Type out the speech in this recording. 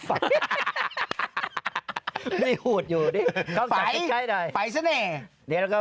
อันนี้หูดขึ้นตรงฝั่ง